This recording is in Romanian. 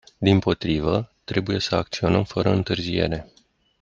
Dimpotrivă, trebuie să acționăm fără întârziere.